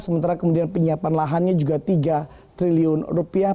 sementara kemudian penyiapan lahannya juga tiga triliun rupiah